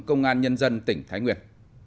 công an nhân dân tỉnh thái nguyên